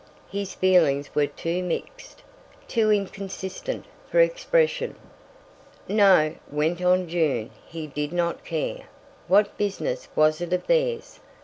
His feelings were too mixed, too inconsistent for expression. No—went on June—she did not care; what business was it of theirs?